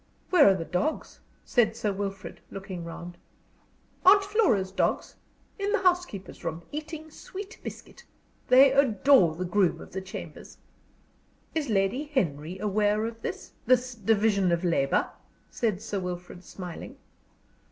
"Where are the dogs?" said Sir Wilfrid, looking round. "Aunt Flora's dogs? In the housekeeper's room, eating sweet biscuit. They adore the groom of the chambers." "Is Lady Henry aware of this this division of labor?" said Sir Wilfrid, smiling.